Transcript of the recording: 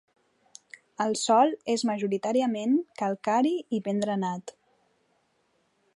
El sòl és majoritàriament calcari i ben drenat.